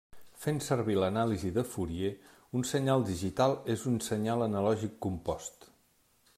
Fent servir l'anàlisi de Fourier, un senyal digital és un senyal analògic compost.